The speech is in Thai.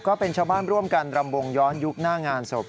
ก็เป็นชาวบ้านร่วมกันรำวงย้อนยุคหน้างานศพ